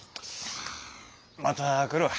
また来るわ。